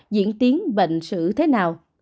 diễn tiến bệnh sử thế nào